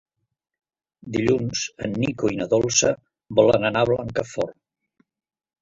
Dilluns en Nico i na Dolça volen anar a Blancafort.